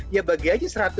ya bagi aja seratus